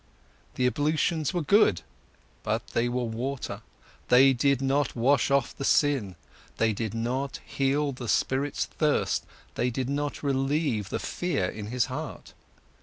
The ablutions were good, but they were water, they did not wash off the sin, they did not heal the spirit's thirst, they did not relieve the fear in his heart.